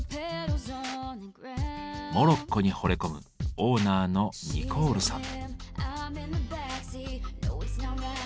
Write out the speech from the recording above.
モロッコにほれ込むオーナーのニコールさん。